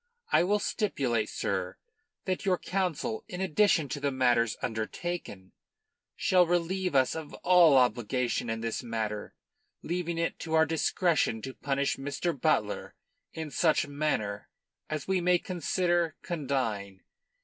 I will stipulate, sir, that your Council, in addition to the matters undertaken, shall relieve us of all obligation in this matter, leaving it to our discretion to punish Mr. Butler in such manner as we may consider condign.